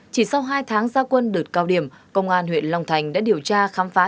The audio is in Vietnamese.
chỉ sau hai tháng gia quân đợt cao điểm công an huyện long thành đã điều tra khám phá